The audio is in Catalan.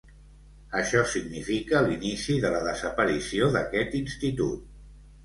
Això significa l'inici de la desaparició d'aquest institut.